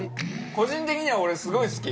個人的には俺すごい好き。